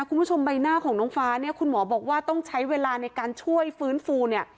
คุณผู้ชมใบหน้าของน้องฟ้าเนี่ยคุณหมอบอกว่าต้องใช้เวลาในการช่วยฟื้นฟูเนี่ย